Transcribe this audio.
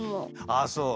ああそう。